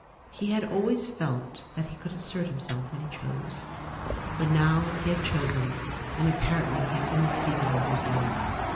He had always felt that he could assert himself when he chose. But now he had chosen, and apparently he had been mistaken all these years.